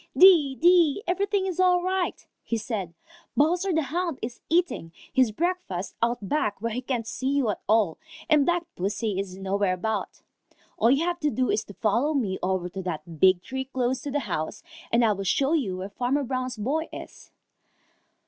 "Dee, dee, everything is all right," said he. "Bowser the Hound is eating; his breakfast out back where he can't see you at all, and Black Pussy is nowhere about. All you have to do is to follow me over to that big tree close to the house, and I will show you where Farmer Brown's boy is."